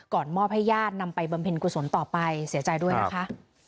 มอบให้ญาตินำไปบำเพ็ญกุศลต่อไปเสียใจด้วยนะคะ